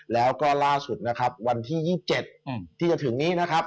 แล้วก็ล่าสุดนะครับวันที่๒๗ที่จะถึงนี้นะครับ